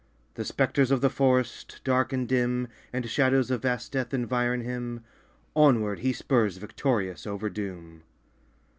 The spectres of the forest, dark and dim, And shadows of vast death environ him Onward he spurs victorious over doom.